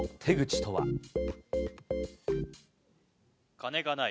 金がない。